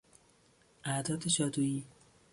اعداد جادویی